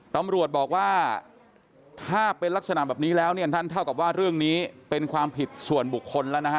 ตำรวจบอกว่าถ้าเป็นลักษณะแบบนี้แล้วเนี่ยท่านเท่ากับว่าเรื่องนี้เป็นความผิดส่วนบุคคลแล้วนะฮะ